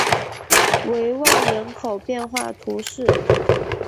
维旺人口变化图示